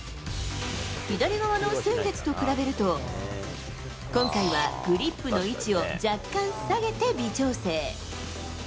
左側の先月と比べると今回はグリップの位置を若干下げて微調整。